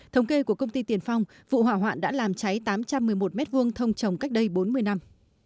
thống kê của công ty tiền phong vụ hỏa hoạn đã làm cháy tám trăm một mươi một m hai thông trồng cách đây bốn mươi năm